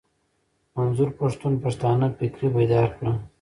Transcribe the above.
منظور پښتون پښتانه فکري بيدار کړل.